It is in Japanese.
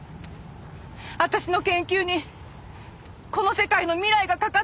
私の研究にこの世界の未来がかかっているの。